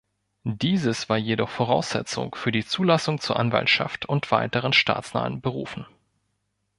Dieses war jedoch Voraussetzung für die Zulassung zur Anwaltschaft und weiteren staatsnahen Berufen.